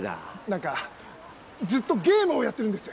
何かずっとゲームをやってるんです。